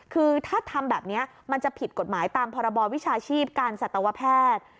คือถ้าทำแบบนี้มันจะผิดกฎหมายตามพรบวิชาชีพการสัตวแพทย์